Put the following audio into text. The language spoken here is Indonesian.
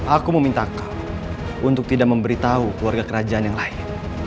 aku meminta kamu untuk tidak memberitahu keluarga kerajaan yang lain